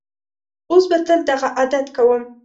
اوس به تل دغه عادت کوم.